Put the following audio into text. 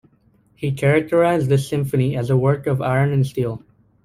He characterized this symphony as a work of "iron and steel".